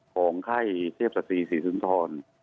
ของค่ายเทพศตรีศรีสุนทร